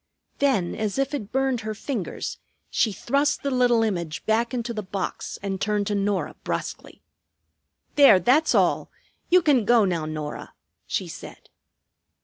Then as if it burned her fingers she thrust the little image back into the box and turned to Norah brusquely. "There, that's all. You can go now, Norah," she said.